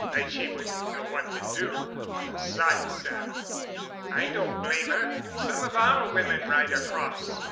But she wouldn't know what to do on a side saddle." "I don't blame her. Some of our women ride across.